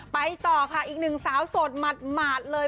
ไปต่อค่ะอีกหนึ่งสาวโสดหมาดเลย